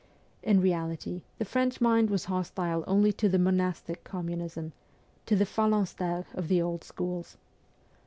In reality, the French mind was hostile only to the monastic communism, to the phalanstere of the old schools.